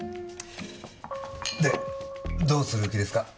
でどうする気ですか？